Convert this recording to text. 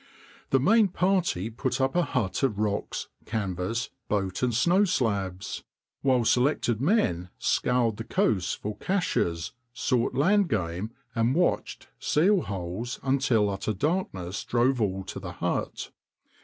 The main party put up a hut of rocks, canvas, boat and snow slabs, while selected men scoured the coasts for caches, sought land game, and watched seal holes, until utter darkness drove all to the hut.